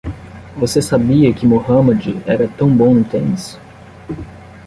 Você sabia que Muhammad era tão bom no tênis?